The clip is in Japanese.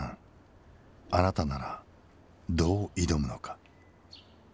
あなたならどう挑むのか。